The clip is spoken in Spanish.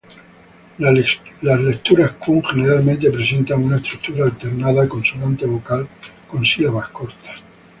Las lecturas "kun" generalmente presentan una estructura alternada consonante-vocal, con sílabas cortas.